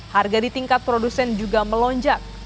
harga di tingkat produsen juga melonjak